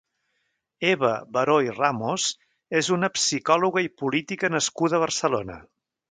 Eva Baró i Ramos és una psicòloga i política nascuda a Barcelona.